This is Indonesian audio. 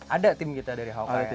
ada tim kita dari hawkeye